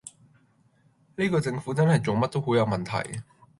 呢個政府真係做乜都好有問題